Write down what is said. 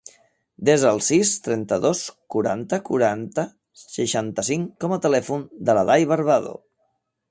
Desa el sis, trenta-dos, quaranta, quaranta, seixanta-cinc com a telèfon de l'Aday Barbado.